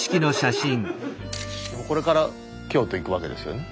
これから京都行くわけですよね？